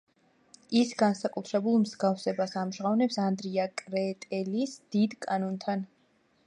ის განსაკუთრებულ მსგავსებას ამჟღავნებს ანდრია კრეტელის „დიდ კანონთან“.